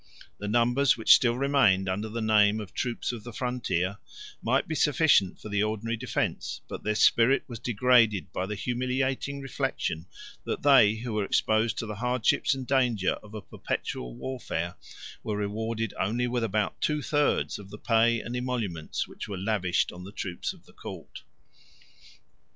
The numbers which still remained under the name of the troops of the frontier, might be sufficient for the ordinary defence; but their spirit was degraded by the humiliating reflection, that they who were exposed to the hardships and dangers of a perpetual warfare, were rewarded only with about two thirds of the pay and emoluments which were lavished on the troops of the court.